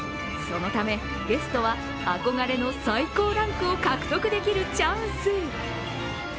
そのため、ゲストは憧れの最高ランクを獲得できるチャンス。